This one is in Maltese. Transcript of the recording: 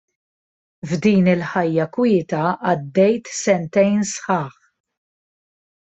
F'din il-ħajja kwieta għaddejt sentejn sħaħ.